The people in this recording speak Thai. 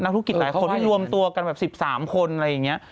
ธุรกิจหลายคนที่รวมตัวกันแบบ๑๓คนอะไรอย่างนี้